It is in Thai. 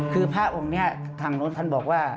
คือพ่อองค์นี่ทางโลธอนบอกว่า